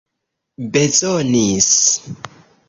bezonis